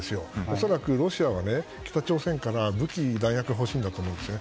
恐らくロシアは北朝鮮から武器、弾薬が欲しいんだと思うんですね。